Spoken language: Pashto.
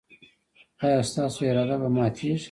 ایا ستاسو اراده به ماتیږي؟